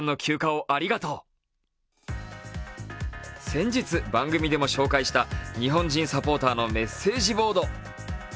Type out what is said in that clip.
先日、番組でも紹介した日本人サポーターのメッセージボード。